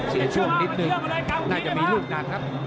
ช่วงนิดนึงน่าจะมีลูกหนักครับ